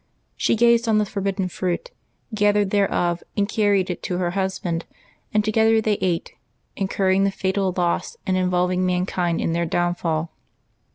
She gazed on the forbidden fruit, gathered thereof, and carried it to her husband, and together they ate, incurring the fatal loss, and involving mankind in their downfall.